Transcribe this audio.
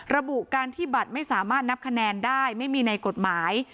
ระบุการที่บัตรไม่สามารถนับคะแนนได้ไม่มีในกฎหมาย